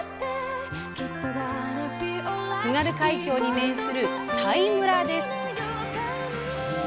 津軽海峡に面する佐井村です。